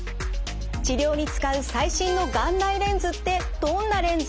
治療に使う最新の眼内レンズってどんなレンズ？